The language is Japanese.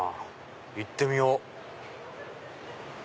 行ってみよう。